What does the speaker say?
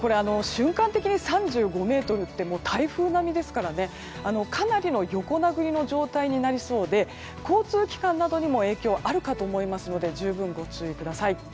瞬間的に３５メートルって台風並みなのでかなりの横殴りの状態になりそうで交通機関などにも影響があるかと思いますので十分ご注意ください。